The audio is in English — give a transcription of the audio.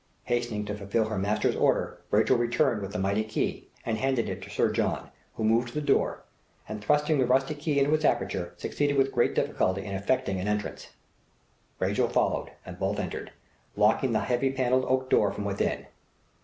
Hastening to fulfil her master's order, Rachel returned with the mighty key, and handed it to Sir John, who moved to the door, and thrusting the rusty key into its aperture, succeeded with great difficulty in effecting an entrance. Rachel followed, and both entered, locking the heavy panelled oak door from within.